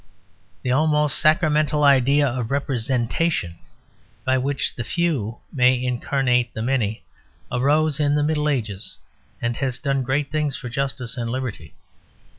The almost sacramental idea of representation, by which the few may incarnate the many, arose in the Middle Ages, and has done great things for justice and liberty.